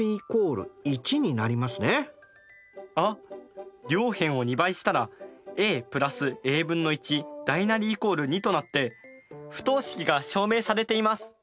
あっ両辺を２倍したらとなって不等式が証明されています。